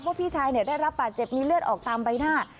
พี่ชายได้รับบาดเจ็บมีเลือดออกตามใบหน้า